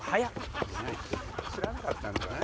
知らなかったんかい！